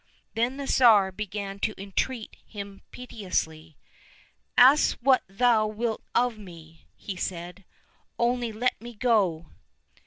Then the Tsar began to entreat him piteously. " Ask what thou wilt of me," said he, " only let me go."